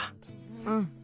うん。